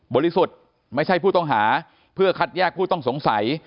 ริสุทธิ์ไม่ใช่ผู้ต้องหาเพื่อคัดแยกผู้ต้องสงสัย